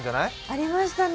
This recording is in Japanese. ありましたね。